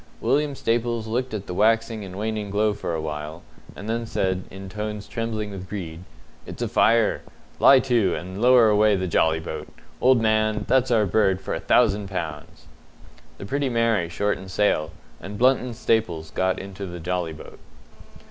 William Staples looked at the waxing and waning glow for a while, and then said, in tones trembling with greed, "It's a fire. Lie to, and lower away the jolly boat. Old man, that's our bird for a thousand pounds!" The Pretty Mary shortened sail, and Blunt and Staples got into the jolly boat.